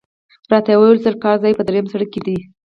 راته ویل شوي کار ځای په درېیم سړک کې دی.